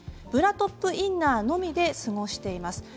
ブラトップインナーのみで過ごしています。